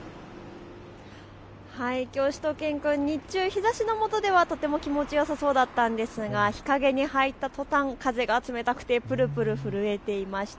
きょうしゅと犬くん、日中日ざしのもとではとっても気持ちよさそうだったんですが日陰に入ったとたん風が冷たくてぷるぷる震えていました。